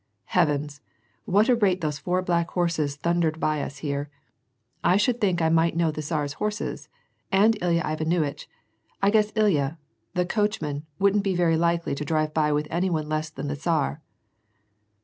Heavens ! what a rate those four black horses thundered by us here ; I should think I might know the Tsar's horses, and Ilya Ivsr nuitch ! I guess Ilya, the coachman, wouldn't be very likely to drive by with any one less than the Tsar